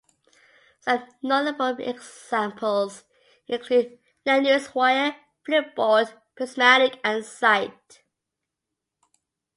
Some notable examples include NetNewsWire, Flipboard, Prismatic, and Zite.